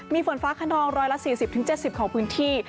มีฝนฟ้าขนอง๑๔๐๗๐ของพื้นที่